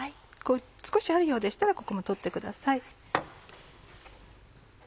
少しあるようでしたらここも取ってください。